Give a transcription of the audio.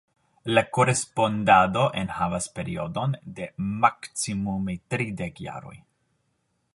La korespondado enhavas periodon de maksimume tridek jaroj.